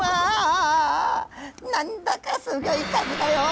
何だかすごい数だよ。